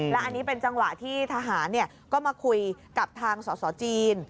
และอันนี้เป็นจังหวะที่ทหารก็มาคุยกับทางสสจีน